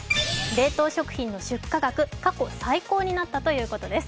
冷凍食品の出荷額、過去最高になったということです。